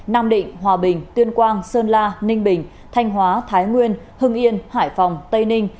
nam định hòa bình tuyên quang sơn la ninh bình thanh hóa thái nguyên hưng yên hải phòng tây ninh